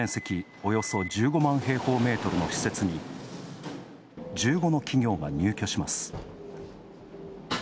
およそ１５万平方メートルの施設に１５の企業が入居します。